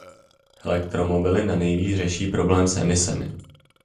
Elektromobily nanejvýš řeší problém s emisemi.